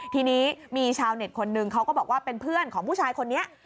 ทีนี้มีชาวเน็ตคนนึงเขาก็บอกว่าเป็นเพื่อนของผู้ชายคนนี้